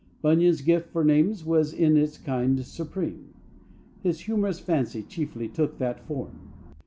Bunyan's gift for names was in its kind supreme. His humorous fancy chiefly took that form.